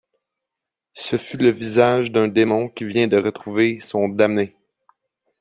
Ce fut le visage d’un démon qui vient de retrouver son damné.